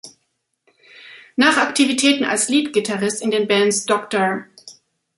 Nach Aktivitäten als Leadgitarrist in den Bands „Dr.